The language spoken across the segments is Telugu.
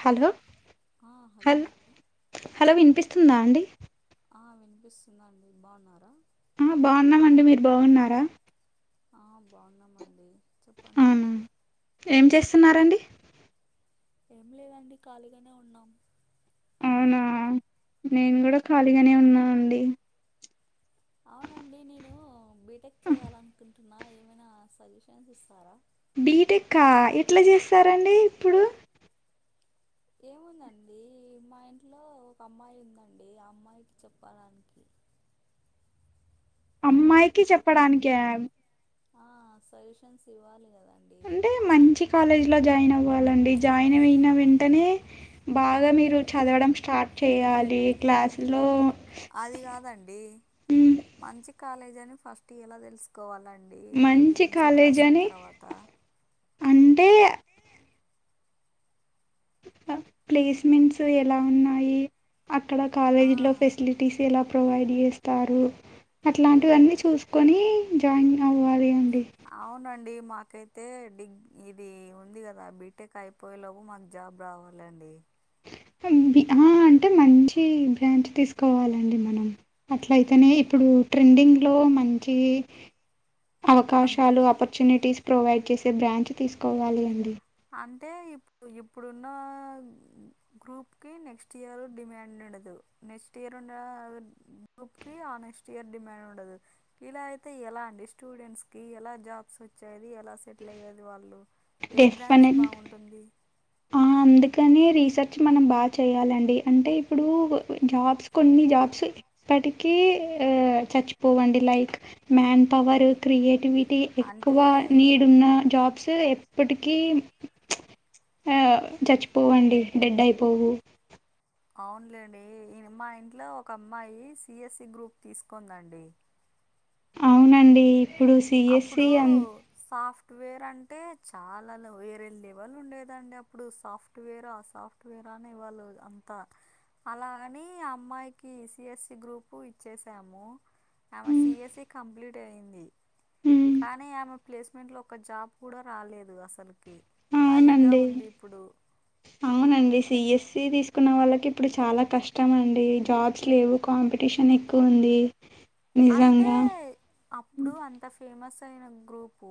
హలో ఆ హలో హల్ హలో వినిపిస్తుందా అండి ఆ వినిపిస్తుందాండి బాగున్నారా ఆ బాగున్నామండి మీరు బాగున్నారా ఆ బాగున్నామండి చెప్పండి అవునా ఏం చేస్తున్నారండి ఏం లేదండి ఖాళీగానే ఉన్నాం అవునా నేను కూడా ఖాళీగానే ఉన్నానండి అవునండి నేను బీటెక్ చేయాలనుకుంటున్నా ఏమైనా సజెషన్స్ ఇస్తారా బీటెక్క ఎట్లా చేస్తారండి ఇప్పుడు ఏముందండి మా ఇంట్లో ఒక అమ్మాయి ఉందండి ఆ అమ్మాయికి చెప్పడానికి అమ్మాయికి చెప్పడానికా ఆ సజెషన్స్ ఇవ్వాలి కదాండి అంటే మంచి కాలేజీ ల జాయిన్ అవ్వాలండి జాయినవేన వెంటనే బాగా మీరు చదవడం స్టార్ట్ చేయాలి క్లాసులో అది కాదండి మ్, మంచి కాలేజ్ అని ఫస్ట్ టీ ఎలా తెలుసుకోవాలండి ఇవి మంచి ఎంసెట్ కాలేజ్ రాసిన అని తర్వాత అంటే ప్లేస్మెంట్స్ ఎలా ఉన్నాయి అక్కడ ఆ కాలేజీ లో ఫెసిలి టీసేలా ప్రొవైడ్ చేస్తారు అట్లాంటివన్నీ చూసుకొని జాయిన్ అవాలి అండి అవునండి మాకైతే డిగ్ ఇది ఉంది కదా బీటెక్ అయిపోయేలోపు మాకు జాబ్ రావాలండి అహ అంటే మంచి బ్రాంచ్ తీసుకోవాలండి మనం అట్ల అయితేనే ఇప్పుడు ట్రెండింగ్ లో మంచి అంటే అవకాశాలు ఆపర్చునిటీస్ ప్రొవైడ్ చేసే బ్రాంచ్ తీసుకోవాలి అండి అంటే ఇప్పుడు ఇప్పుడున్న గ్రూప్కి నెక్స్ట్ ఇయర్ డిమాండ్ ఉండదు నెక్స్ట్ ఇయర్ ఉన్న గ్రూప్కీ ఆ నెక్స్ట్ ఇయర్ డిమాండ్ ఉండదు ఇలా అయితే ఎలా అండి స్టూడెంట్స్ కి ఎలా జాబ్స్ వచ్చేది ఎలా సెటిల్ అయ్యేది వాళ్ళు డి మనిషి బాగుంటుంది ఆ అందుకనే రీసెర్చ్ మనం బాగా చేయాలండి అంటే ఇప్పుడు జాబ్స్ కొన్ని జాబ్ సో ఏప్పటికీ ఆ చచ్చిపోవండి like man power creativity ఎక్కువ అంటే నీడ్ ఉన్న జాబ్స్ ఎప్పటికీ ఆ చచ్చిపోవండి డెడ్ అయిపోవు అవునులేండి ఇంగ మా ఇంట్లో ఒక అమ్మాయి సిఎస్సి గ్రూప్ తీసుకుంది అండి అవునండి. ఇప్పుడు అప్పుడు సీఎస్‌సి అన్ సాఫ్ట్వేర్ అంటే చాలా వేరే లెవల్ ఉండేదండి అప్పుడు సాఫ్ట్వేర్ ఆ సాఫ్ట్ వేర్ ఆ అనే వాళ్ళు అంతా అలా అని అమ్మాయికి సిఎస్సి గ్రూపు ఇచ్చేసాము ఆమె హ్మ్. సిఎస్ఈ కంప్లీట్ అయింది హ్మ్. కానీ ఆమెకు ప్లేస్మెంట్లో ఒక్క జాబ్ కూడా రాలేదు అసలకి ఖాళీగా అవునండి. ఉంది ఇప్పుడు అవునండి సిఎస్సి తీసుకున్న వాళ్ళకి ఇప్పుడు చాలా కష్టం అండి జాబ్స్ లేవు కాంపిటీషన్ ఎక్కువ ఉంది అంటే అప్పుడు అంత ఫేమస్ అయిన గ్రూపు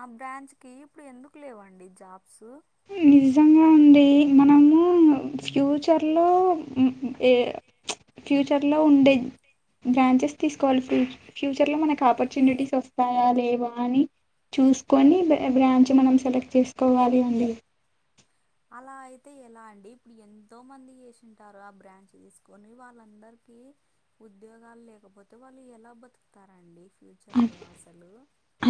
ఆ బ్రాంచ్ కి ఇప్పుడు ఎందుకు లేవండి జాబ్స్ నిజంగా అండి మనము ఫ్యూచర్లో ఏ ఫ్యూచర్లో ఉండే బ్రాంచెస్ తీసుకోవాలి ఫూ ఫ్యూచర్ లో మనకు ఆపర్చునిటీస్ వస్తాయా లేవా అని చూసుకొని బ్రా బ్రాంచ్ మనం సెలెక్ట్ చేసుకోవాలి అండి అలా అయితే ఎలా అండి ఇప్పుడు ఎంతో మంది చేసింటారు ఆ బ్రాంచ్ తీసుకొని వాళ్ళందరికి ఉద్యోగాలు లేకపోతే వాళ్ళు ఎలా బతుకుతారండి ఫ్యూచర్లో అసలు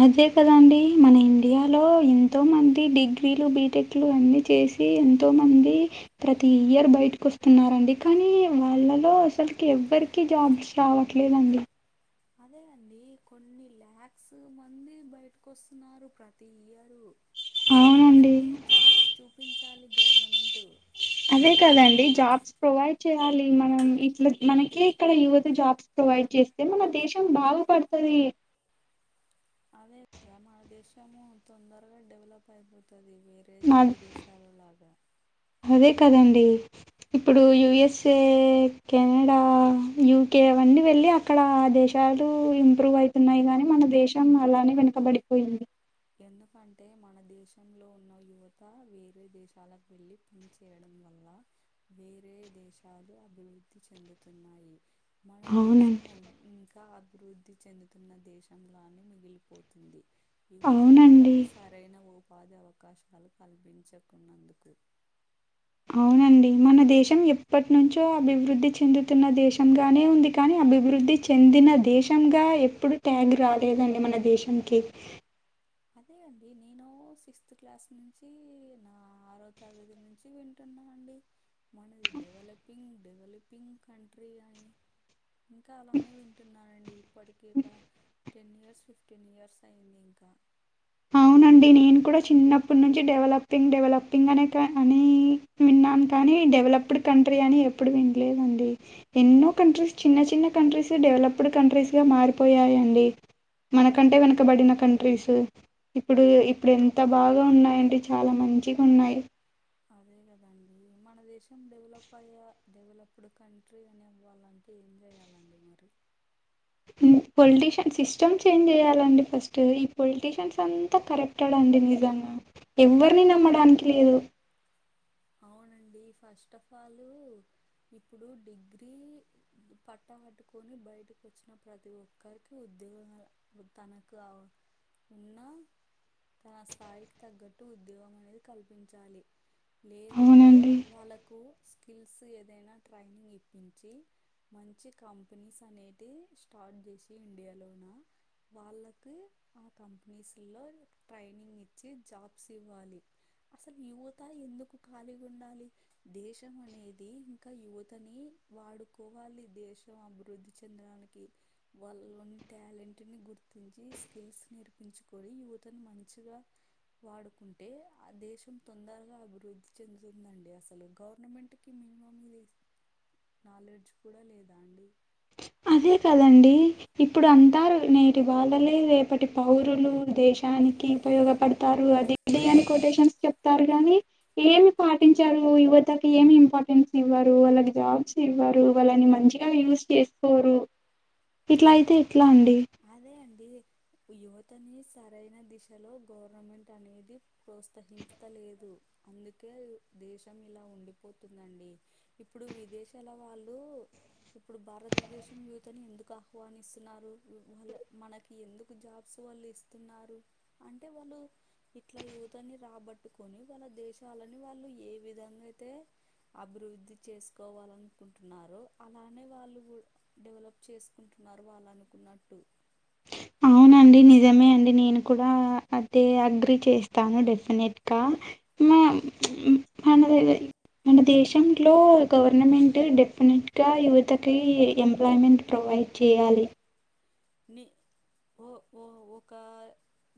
అంతే కదండి మన ఇండియాలో ఎంతో మంది డిగ్రీలు బీటెక్లు అన్నీ చేసి ఎంతో మంది ప్రతి ఇయర్ బయటకు వస్తున్నారండి కానీ వాళ్ళలో అసలుకి ఎవ్వరికి కి జాబ్స్ రావట్లేదండి అదే అండి కొన్ని లాక్స్ మంది బయటకొస్తున్నారు ప్రతి ఇయరు అవునండి వాళ్ళందరికీ జాబ్స్ చూపించాలి గవర్నమెంట్ అదే కదండి జాబ్స్ ప్రొవైడ్ చేయాలి మనం ఇట్లా మనకే ఇక్కడ యువత జాబ్స్ ప్రొవైడ్ చేస్తే మన దేశం బాగుపడుతది అదే కదా మన దేశము తొందరగా డెవలప్ అయిపోతది వేరే ఏది నా విదేశాల లాగా అదే కదండి ఇప్పుడు యుఎస్ఏ, కెనడా, యూకే అవన్నీ వెళ్ళి ఆక్కడ ఆ దేశాలు ఇంప్రూవ్ అయితున్నాయి గాని మన దేశం అలానే వెనకబడిపోయింది ఎందుకంటే మన దేశంలో ఉన్న యువత వేరే దేశాలకు వెళ్ళి పనిచేయడం వల్ల వేరే దేశాలు అభివృద్ధి చెందుతున్నాయి మన అవునండి దేశము ఇంకా అభివృద్ధి చెందుతున్న దేశంలానే మిగిలిపోతుంది యువతకు అవునండి సరైన ఉపాధి అవకాశాలు కల్పించకున్నందుకు అవునండి మన దేశం ఎప్పటి నుంచో అభివృద్ధి చెందుతున్న దేశం గానే ఉంది కానీ అభివృద్ధి చెందిన దేశంగా ఎప్పుడు ట్యాగ్ రాలేదండి మన దేశంకి అదే అండి నేను సిక్స్త్ క్లాస్ నుంచి నా ఆరో తరగతి నుంచి విం వింటున్నా అండి మనది డెవలపింగ్ డెవలపింగ్ కంట్రీ అని ఇంకా అలానే వింటున్నా అండి ఇప్పటికీ ఇక టెన్ ఇయర్స్ ఫిఫ్టీన్ ఇయర్స్ అయ్యింది ఇంకా అవునండి. నేను కూడా చిన్నప్పటి నుంచి డెవలపింగ్ డెవలపింగ్ అనే క అనీ విన్నాను కానీ, డెవలప్డ్ కంట్రీ అని ఎప్పుడు వినలేదండి. ఎన్నో కంట్రీస్ చిన్న చిన్న కంట్రీసే డెవలప్డ్ కంట్రీస్గా మారిపోయాయండి. మనకంటే వెనకబడిన కంట్రీస్. ఇప్పుడు ఇప్పుడు ఎంత బాగా ఉన్నాయంటే చాలా మంచిగా ఉన్నాయి. అదే కదండి మన దేశం డెవలప్ అయ్యా డెవలప్డ్ కంట్రీ అని అవ్వాల ఏం చేయాలండి మరి? హ్మ్. బ్లాంక్ పొలిటీషియన్ సిస్టమ్ చేంజ్ చేయాలండి ఫస్ట్. ఈ పొలిటీషియన్స్ అంతా కరెప్టెడ్ అండి నిజంగా ఎవ్వరినీ నమ్మడానికి లేదు. అవునండి ఫస్ట్ ఆఫ్ ఆల్ ఇప్పుడు డిగ్రీ పట్టా పట్టుకొని బయటకు వచ్చిన ప్రతి ఒక్కరికి ఉద్యోగ తనకు ఔ ఉన్నా తన స్థాయికి తగ్గట్టు ఉద్యోగం అనేది కల్పించాలి. లేదంటే అవునండి. వాళ్ళకు స్కిల్స్ ఏదైనా ట్రైనింగ్ ఇప్పించి మంచి కంపెనీస్ అనేది స్టార్ట్ చేసి ఇండియాలోన వాళ్ళకి ఆ కంపెనీస్ లో ట్రైనింగ్ ఇచ్చి జాబ్స్ ఇవ్వాలి. అసలు యువత ఎందుకు ఖాళీగా ఉండాలి. దేశం అనేది ఇంకా యువతని వాడుకోవాలి దేశం అభివృద్ధి చెందడానికి. వాళ్ళలోని టాలెంట్ని గుర్తించి స్కిల్స్ నేర్పించుకొని యువతని మంచిగా వాడుకుంటే ఆ దేశం తొందరగా అభివృద్ధి చెందుతుందండి. అసలు గవర్నమెంట్ కి మినిమం ఇది నాలెడ్జ్ కూడా లేదా అండి అదే కదండీ. ఇప్పుడు అంటారు. నేటి బాలలే రేపటి పౌరులు. దేశానికి ఉపయోగపడతారు అని. ఇది అని కొటేషన్స్ చెప్తారు గానీ ఏమి పాటించరు. యువతకి ఏమి ఇంపార్టెన్స్ ఇవ్వరు. వాళ్ళకి జాబ్స్ ఇవ్వరు, వాళ్ళని మంచి గా యూస్ చేసుకోరు ఇట్లా అయితే ఎట్లా అండి? అదే అండి యువతని సరైన దిశలో గవర్నమెంట్ అనేది ప్రోత్సహించలేదు అందుకే దేశం ఇలా ఉండిపోతుందండి. ఇప్పుడు విదేశాల వాళ్ళు ఇప్పుడు భారతదేశం యుూతని ఎందుకు ఆహ్వానిస్తున్నారు. వాళ్ళ మనకి ఎందుకు జాబ్స్ వాళ్ళు ఇస్తున్నారు. అంటే వాళ్ళు ఇట్లా యువతని రాబట్టుకొని వాళ్ళ దేశాలుని వాళ్ళు ఏ విధంగా అయితే అభివృద్ధి చేసుకోవాలనుకుంటున్నారో అలానే వాళ్ళు కూడా డెవలప్ చేసుకుంటున్నారు వాళ్ళనుకున్నట్టు. అండి నిజమే అండి నేను కూడా అదే అగ్రీ చేస్తాను డెఫినెట్గా. మ్ ప్చ్ [unintelligible] మన దేశంలో గవర్నమెంట్ డెఫినెట్గా యువతకి ఎంప్లాయ్మెంట్ ప్రొవైడ్ చేయాలి. ని ఓ ఓ ఒకా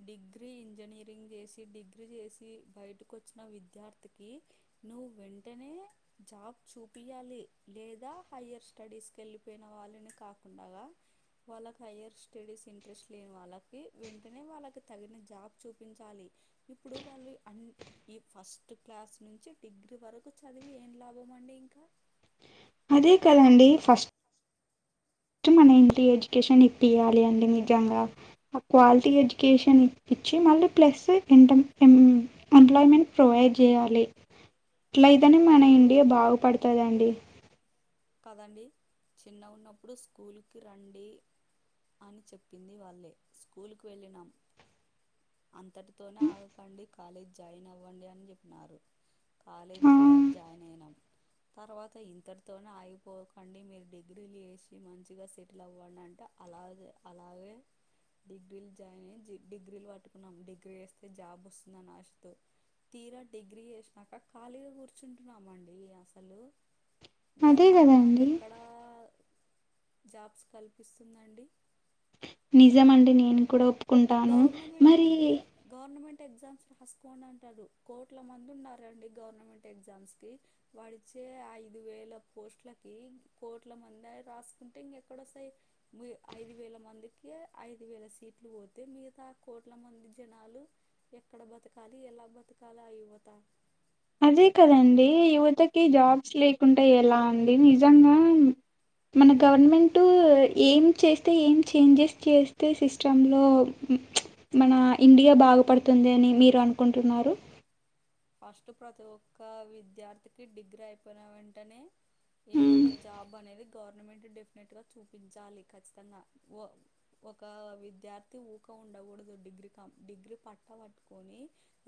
డిగ్రీ ఇంజనీరింగ్ చేసి డిగ్రీ చేసి బయటకు వచ్చిన విద్యార్థికి నువ్ వెంటనే జాబ్ చూపియాలి లేదా హయ్యర్ స్టడీస్కి వెళ్ళిపోయిన వాళ్ళని కాకుండగా వాలక్ హయర్ స్టడీస్ ఇంట్రెస్ట్ లేని వాళ్ళకి వెంటనే వాళ్ళకి తగిన జాబ్ చూపించాలి ఇప్పుడు వాళ్ళు అన్ ఈ ఫస్ట్ క్లాస్ నుంచి డిగ్రీ వరకు చదివి ఏం లాభం అండి ఇంకా అదే కదండి ఫస్ట్ ట్ మన ఇంటి్ర ఎడ్యుకేషన్ ఇప్పయాలి అండి నిజంగా ఆ క్వాలిటీ ఎడ్యుకేషన్ ఇప్పిచ్చి మళ్ళీ ప్లస్ ఎంట ఇ ఎంప్లాయ్మెంట్ ప్రొవైడ్ చేయ్యాలి బ్లాంక్ ఇట్ల అయితేనే మన ఇండియా బాగుపడుతదండి కదండి చిన్నగున్నప్పుడు స్కూల్కి రండి అని చెప్పింది వాళ్ళే స్కూల్కు వెళ్ళినాం అంతటితోనే ఆగకండి కాలేజీ జాయిన్ అవ్వండి అని చెప్పినారు ఆ కాలేజ్డ జాయిన్ అయినాం తర్వాత ఇంతటితో ఆగిపోకండి మీరు డిగ్రీలు చేసి మంచిగా సెటిల్ అవ్వాల అంటే అలాగే అలాగే డిగ్రీలు జాయిన్ అ్య డిగ్రీలు పట్టుకున్నాం డిగ్రీ వేస్తే జాబ్ వస్తుందని ఆశతో తీరా డిగ్రీ చేసినాక ఖాళీగా కూర్చుంటున్నామండి అసలు అదే గవర్నమెంట్ మాకు కదండి ఎక్కడా జాబ్స్ కల్పిస్తుందండి నిజం అండి నేను కూడా ఒప్పుకుంటాను గవర్నమెంట్ మరి అంటే గవర్నమెంట్ ఎగ్జామ్స్ రాసుకోండి అంటారు కోట్ల మంది ఉన్నారండి గవర్నమెంట్ ఎగ్జామ్స్కి వాడిచ్చే ఐదు వేల పోస్ట్లకి కోట్ల మంది రాసుకుంటే ఇంకెక్కడ వస్తాయి ఐదు వేల మందికి ఐదు వేల సీట్లు పోతు అయితే మిగతా కోట్ల మంది జనాలు ఎక్కడ బతకాలి ఎలా బతకాలి ఆ యువత అదే కదండి యువతకి జాబ్స్ లేకుంటడా ఎలా అండి నిజంగా మన గవర్నమెంటు ఏం చేస్తే ఏం చేంజెస్ చేస్తే సిస్టంలో మన ఇండియా బాగుపడుతుంది అని మీరు అనుకుంటున్నారు ఫస్ట్ ప్రతి ఒక్క విద్యార్థికి డిగ్రీ అయిపోయిన వెంటనే ఏదో మ్మ్. ఒక జాబ్ అనేది గవర్నమెంట్ డెఫినెట్ గా చూపించాలి ఖచ్చితంగా వా ఒక విద్యార్థి ఊక ఉండకూడదు డిగ్రీ కం డిగ్రీ పట్ట పట్టుకొని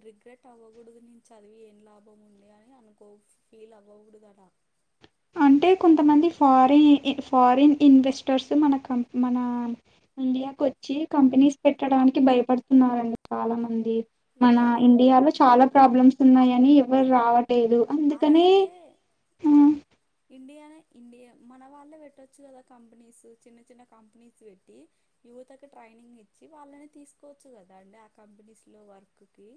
రిగ్రెట్ అవ్వకూడదు నుంచి చదివి ఏం లాభం ఉంది అని అనుకో ఫీల్ అవ్వకూడదుదలా అంటే కొంతమంది ఫారిన్ ఫారిన్ ఇన్వెస్టర్స్ మన కం మన ఇండియాకు వచ్చి కంపెనీస్ పెట్టడానికి భయపడుతున్నారండి చాలా మంది మన లేదు ఇండియాలో చాలా ప్రాబ్లమ్స్ ఉన్నాయని ఎవరు రావటేదు ఆలా అయితే ఇండియానే ఇండియా మన వాళ్ళే పెట్టొచ్చు కదా కంపెనీస్ చిన్న చిన్న కంపెనీస్ పెట్టి యువతకు ట్రైనింగ్ ఇచ్చి వాళ్ళని తీసుకోవచ్చు కదా అండి ఆ కంపెనీస్ లో వర్క్కి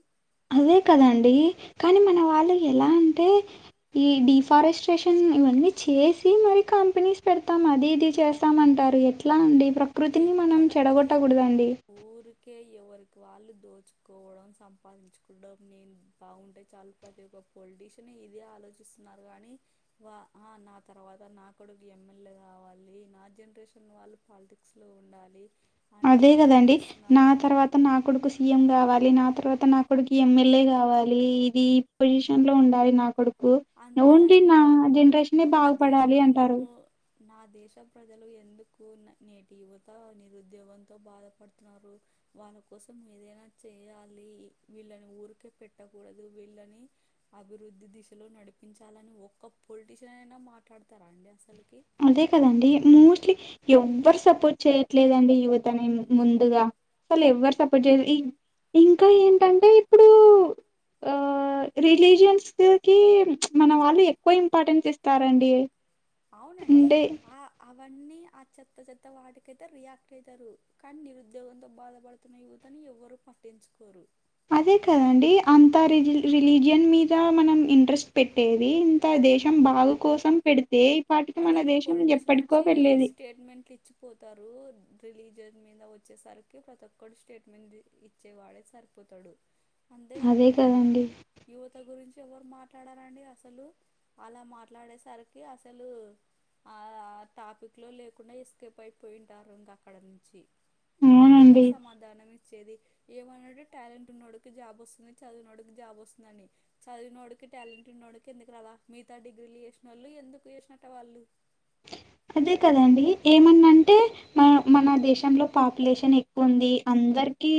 అదే కదండి కానీ మన వాళ్ళు ఎలా అంటే ఈ డిఫారెస్ట్రేషన్ ఇవన్నీ చేసి మరి కంపెనీస్ పెడతాం అది ఇది చేస్తా స్తామంటారు ఎట్లా అండి ప్రకృతిని మనం ఎక్కడండి చెడగొట్టకూడదండి ఊరికే ఎవరికి వాళ్ళు దోచుకోవడం సంపాదించుకోవడం నేను బాగుంటే చాలు ప్రతి ఒక్క పొలిటీషియన్ ఇదే ఆలోచిస్తున్నారు కానీ వా ఆ నా తర్వాత నా కొడుకు ఎమ్మెల్యే కావాలి నా జనరేషన్ వాళ్ళు పాలిటిక్ బుక్స్ లో ఉండాలి అదే అనేది గదండి ఆలోచిస్తున్నారు నా కానీ తర్వాత నా కొడుకు సిఎం గావాలి నా తర్వాత నా కొడుకి ఎమ్మెల్యే కావాలి ఇది ఈ పొజిషన్ లో ఉండాలి నా కొడు అంతేగాని నా దేశం బాగుపడాలి అంటారు ఎందుకు నా దేశ ప్రజలు ఎందుకు నేటి యువత నిరుద్యోగంతో బాధపడుతున్నారు వాళ్ళ కోసం ఏదైనా చేయాలి వీళ్ళని ఊరికే పెట్టకూడదు వీళ్ళని అభివృద్ధి దిశలో నడిపించాలని ఒక్క పొలిటీషియన్ అయినా మాట్లాడతారా అండి అసల్ కి అదే కదండి మోస్ట్లీ ఎవ్వరు సపోర్ట్ చేయట్లేదండి యువతని ముందుగా అసలు ఎవ్వరు సపోర్ట్ జేయదు ఇంకా ఏంటంటే ఇప్పుడు ఆ రిలీజియన్స్ పేర్ కి మన వాళ్ళు ఎక్కువ ఇంపార్టెన్స్ ఇస్తారండి అవునండి అంటే ఆ అవన్నీ ఆ చెత్త చెత్త వాటికైతే రియాక్ట్ అయితరు కానీ నిరుద్యోగంతో బాధపడుతున్న యువతని ఎవ్వరు పట్టించుకోరు అదే కదండి అంత రిజ రిలీజియన్ మీద మనం ఇంట్రెస్ట్ పెట్టేది అంత దేశం బాగు కోసం పెడితే పాటికి ప్రతి మన ఒక్క దేశం పొలిటీషియన్ ఎప్పటికో వచ్చి వెళ్ళేది స్టేట్మెంట్ ఇచ్చి పోతారు రిలీజియన్ మీద వచ్చేసరికి ప్రతి ఒక్కరు స్టేట్మెంట్ ఇచ్ వచ్చేవాడే సరిపోతడు అంతేగానీ అదే కదండి యువత గురించి ఎవరు మాట్లాడరండి అసలు అలా మాట్లాడేసరికి అసలు ఆ టాపిక్ లో లేకుండా ఎస్కేప్ అయిపోయింటారు ఇంకా అక్కడ నుంచి ఎవరు అవునండి సమాధానం ఇచ్చేది ఏమన్నంటే టాలెంట్ ఉన్నోడికి కి జాబ్ వస్తుంది చదివినోడికి జాబ్ వస్తుందని చదివిన వోడికి టాలెంట్ ఉన్న వోడికి ఎందుకు రాదా మిగతా డిగ్రీలు చేసిన వాళ్ళు ఎందుకు చేసినట్ట వాళ్ళు అదే కదండి ఏమన్నా అంటే మన మన దేశంలో పాపులేషన్ ఎక్కువుంది అందరికి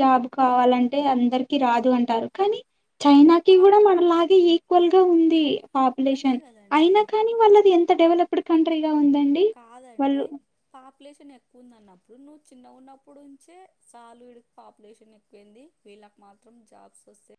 జాబ్ కావాలంటే అందరికి రాదు అంటారు కానీ చైనాకి పా గూడా మనలాగే ఈక్వల్ గా ఉంది అదే పాపులేషన్ కదండి అయినా కానీ వాళ్ళది ఎంత డౌవలప్డ్ కంట్రీగా ఉందండి కాదండి వాళ్ళు పాపులేషన్ ఎక్కువ ఉంది అన్నప్పుడు నువ్వు చిన్న ఉన్నప్పుడుంచే చాలు ఇడిక్ పాపులేషన్ ఎక్కువైంది వీళ్ళకి మాత్రం జాబ్స్ వస్తే